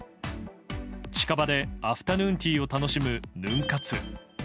近場でアフタヌーンティーを楽しむヌン活。